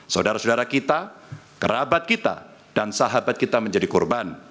saudara saudara kita kerabat kita dan sahabat kita menjadi korban